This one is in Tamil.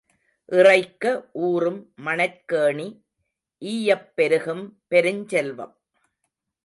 இறைக்க ஊறும் மணற்கேணி ஈயப் பெருகும் பெருஞ் செல்வம்.